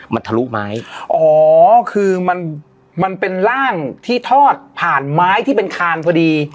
มันทะลุไม้อ๋อคือมันมันเป็นร่างที่ทอดผ่านไม้ที่เป็นคานพอดี